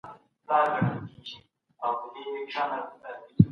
احمد شاه ابدالي څنګه د اقتصادي اړیکو پراختیا وکړه؟